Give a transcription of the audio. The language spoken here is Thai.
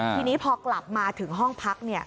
ทีนี้พอกลับมาถึงห้องพัก